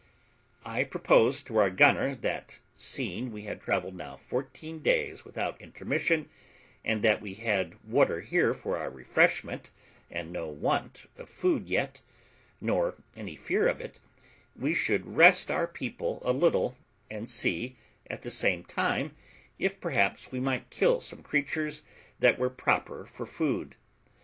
I proposed to our gunner, that, seeing we had travelled now fourteen days without intermission, and that we had water here for our refreshment, and no want of food yet, nor any fear of it, we should rest our people a little, and see, at the same time, if perhaps we might kill some creatures that were proper for food.